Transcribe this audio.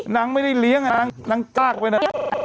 นางไม่ได้เลี้ยงนางจ้างไว้นะ